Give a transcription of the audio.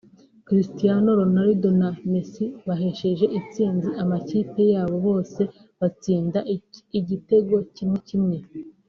Cristiano Ronaldo na Messi bahesheje intsinzi amakipe yabo bose batsinda igitego kimwe kimwe